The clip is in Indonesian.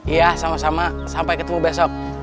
iya sama sama sampai ketemu besok